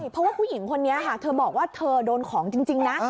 เพราะว่าผู้หญิงคนนี้ค่ะเธอบอกว่าเธอโดนของจริงนะ